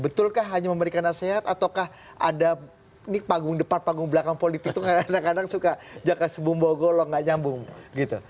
betulkah hanya memberikan nasihat ataukah ada ini panggung depan panggung belakang politik itu kadang kadang suka jaka sembumbo golong gak nyambung gitu